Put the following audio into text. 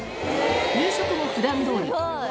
夕食もふだんどおり。